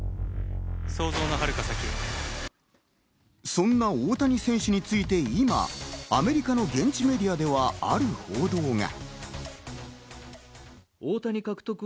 そんな大谷選手について今、アメリカの現地メディアではある報道が。